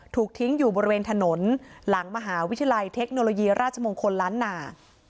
ถูกทิ้งอยู่บริเวณถนนหลังมหาวิทยาลัยเทคโนโลยีราชมงคลล้านนา